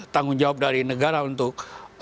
tanggung jawab dari negara untuk